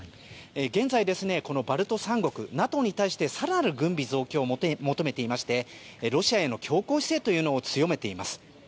現在、このバルト三国ＮＡＴＯに対して更なる軍備増強を求めていましてロシアへの強硬姿勢というのを強めています。